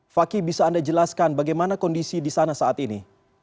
fakih bisa anda jelaskan bagaimana kondisi di sana saat ini